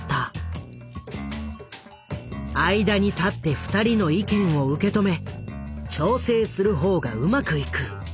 間に立って２人の意見を受け止め調整する方がうまくいく。